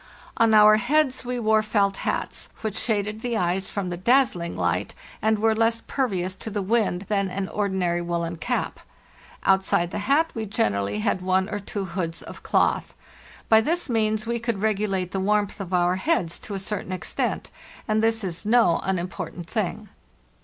On our heads we wore felt hats, which shaded the eyes from the dazzling light, and were less pervious to the wind than an ordinary woollen cap. Outside the hat we generally had one or two hoods of cloth. By this means we could regulate the warmth of our heads to a certain extent, and this is no unimportant thing.